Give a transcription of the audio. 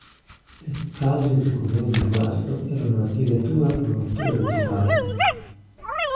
Le cause più comuni di guasto erano la piegatura o la rottura delle pale.